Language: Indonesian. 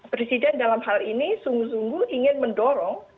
presiden dalam hal ini sungguh sungguh ingin mendorong